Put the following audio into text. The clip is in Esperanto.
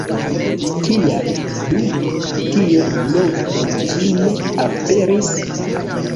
Kial dum tiel longa tempo ĝi ne aperis?